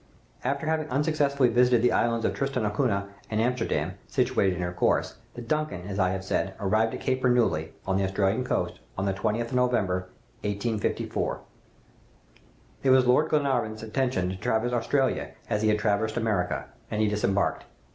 "After having unsuccessfully visited the islands of Tristan d'Acunha and Amsterdam, situated in her course, the 'Duncan,' as I have said, arrived at Cape Bernouilli, on the Australian coast, on the 20th of December, 1854. "It was Lord Glenarvan's intention to traverse Australia as he had traversed America, and he disembarked.